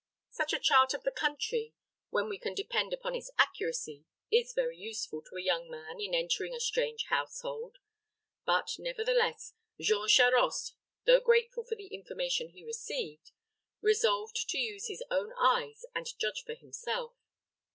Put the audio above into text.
'" Such a chart of the country, when we can depend upon its accuracy, is very useful to a young man in entering a strange household; but, nevertheless, Jean Charost, though grateful for the information he received, resolved to use his own eyes, and judge for himself.